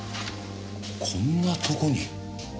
こんなとこに？